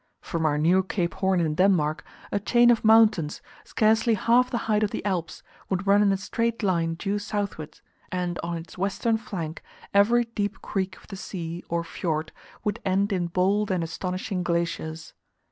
From our new Cape Horn in Denmark, a chain of mountains, scarcely half the height of the Alps, would run in a straight line due southward; and on its western flank every deep creek of the sea, or fiord, would end in "bold and astonishing glaciers."